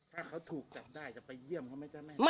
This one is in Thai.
ถ้าเขาถูกจับได้จะไปเยี่ยมเขาไหมจ๊ะแม่